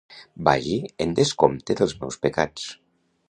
Vagi en descompte dels meus pecats.